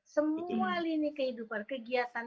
semua lini kehidupan kegiatan